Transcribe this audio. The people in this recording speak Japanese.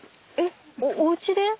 おうちで？